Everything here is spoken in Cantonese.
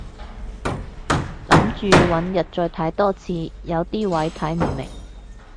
諗住搵日再睇多次，有啲位睇唔明